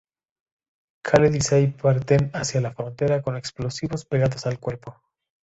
Khaled y Said parten hacia la frontera con explosivos pegados al cuerpo.